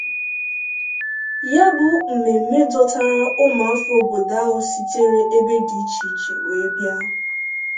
Ya bụ mmemme dọtara ụmụafọ obodo ahụ sitere ebe dị icheiche wee bịa